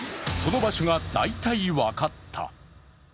その場所が大体分かった。